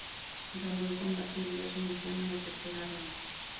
Ganó el combate vía sumisión en la tercera ronda.